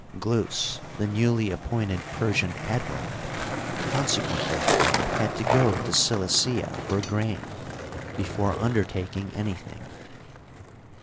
Glus. the newly appointed Persian admiral, con sequently had to go to Cilicia for grain before undertaking anything.